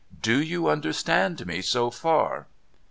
Do you under stand me, so far?'